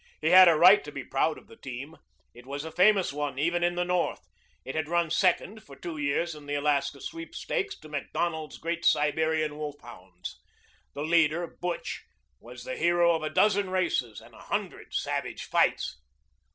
He had a right to be proud of the team. It was a famous one even in the North. It had run second for two years in the Alaska Sweepstakes to Macdonald's great Siberian wolf hounds. The leader Butch was the hero of a dozen races and a hundred savage fights.